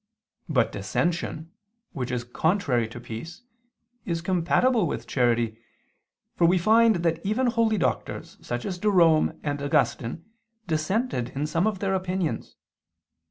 But dissension, which is contrary to peace, is compatible with charity, for we find that even holy doctors, such as Jerome and Augustine, dissented in some of their opinions.